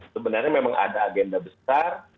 sebenarnya memang ada agenda besar